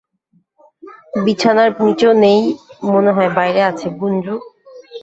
বিছানার নিচেও নেই মনে হয় বাইরে আছে, গুঞ্জু।